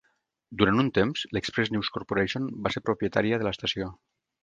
Durant un temps l'Express News Corporation va ser propietària de l'estació.